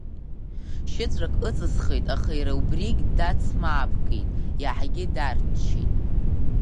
Шьыҵәрак ыҵысхит, аха иара убригь дацмаапкит, иаҳагьы дарччеит.